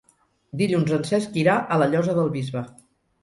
Dilluns en Cesc irà a la Llosa del Bisbe.